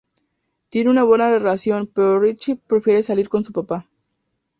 Tienen una buena relación pero Ritchie prefiere salir con su papá.